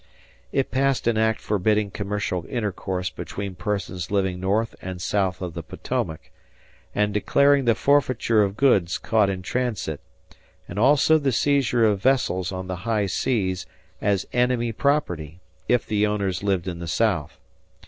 It passed an act forbidding commercial intercourse between persons living north and south of the Potomac, and declaring the forfeiture of goods caught in transit and also the seizure of vessels on the high seas as enemy property, if the owners lived in the South.